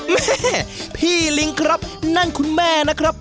แม่พี่ลิงครับนั่นคุณแม่นะครับ